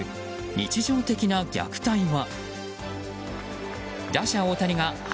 日常的な虐待は？